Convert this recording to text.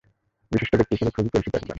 বিশিষ্ট ব্যক্তি হিসেবে খুবই পরিচিত একজন।